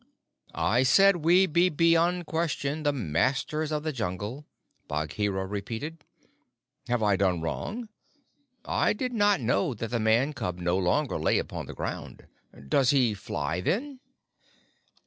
"I said we be beyond question the Masters of the Jungle," Bagheera repeated. "Have I done wrong? I did not know that the Man cub no longer lay upon the ground. Does he fly, then?"